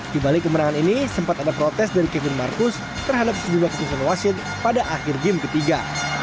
di balik kemenangan ini sempat ada protes dari kevin marcus terhadap sejumlah keputusan wasit pada akhir game ketiga